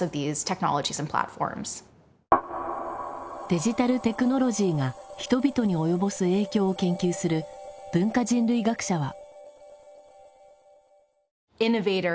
デジタルテクノロジーが人々に及ぼす影響を研究する文化人類学者は。